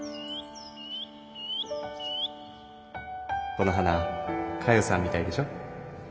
この花かよさんみたいでしょう？